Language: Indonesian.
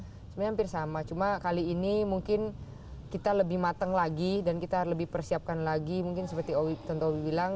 sebenarnya hampir sama cuma kali ini mungkin kita lebih matang lagi dan kita lebih persiapkan lagi mungkin seperti tontowi bilang